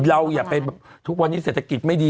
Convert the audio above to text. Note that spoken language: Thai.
อย่าไปแบบทุกวันนี้เศรษฐกิจไม่ดี